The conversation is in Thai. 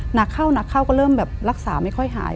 หนักเข้าก็เริ่มแบบรักษาไม่ค่อยหาย